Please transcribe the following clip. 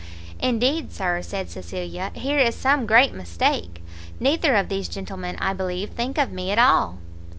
"Indeed, Sir," said Cecilia, "here is some great mistake; neither of these gentlemen, I believe, think of me at all."